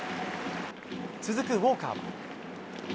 続くウォーカー。